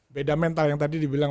beda mental yang tadi dibilang